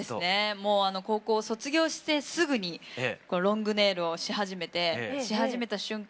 もう高校を卒業してすぐにロングネイルをし始めてし始めた瞬間